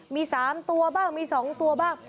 มี๓ตัวบ้างมี๒ตัวบ้าง